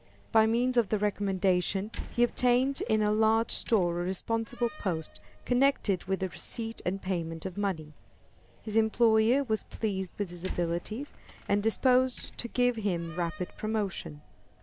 By means of the recommendation, he obtained in a large store a responsible post connected with the receipt and payment of money. His employer was pleased with his abilities, and disposed to give him rapid promotion.